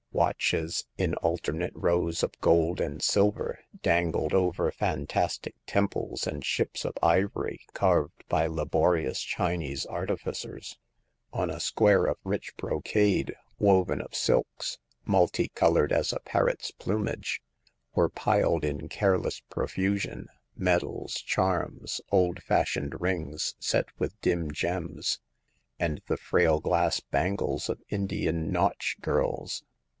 Watches, in alternate rows of gold and silver, dangled over fantastic temples and ships of ivory carved by laborious Chinese artificers. On a square of rich brocade, w^oven ol silks, multi colored as a parrot's plumage, were The Coming of Hagar. 9 piled in careless profusion medals, charms, old fashioned rings set with dim gems, and the frail glass bangles of Indian nautch girls.